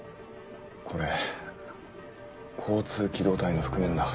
これ交通機動隊の覆面だ。